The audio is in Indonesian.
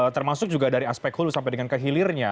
termasuk juga dari aspek hulu sampai dengan kehilirnya